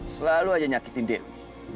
selalu aja nyakitin dewi